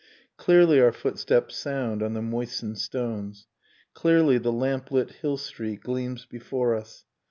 Clearly our footsteps sound on the moistened stones, Clearly the lamplit hill street gleams before us.